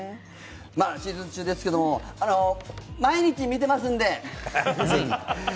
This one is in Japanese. シーズン中ですけども毎日見てますんで！